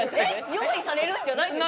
用意されるんじゃないんですか？